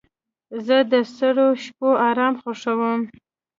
زه د سړو شپو آرام خوښوم.